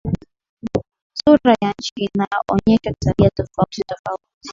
Sura ya nchi inaonyesha tabia tofauti tofauti